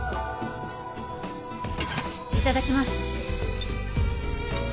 いただきます。